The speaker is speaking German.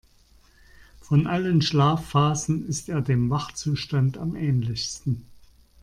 Von allen Schlafphasen ist er dem Wachzustand am ähnlichsten.